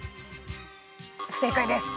不正解です。